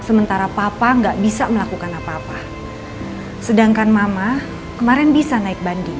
sementara papa nggak bisa melakukan apa apa sedangkan mama kemarin bisa naik banding